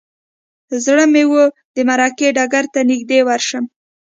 زړه مې و د معرکې ډګر ته نږدې ورشم.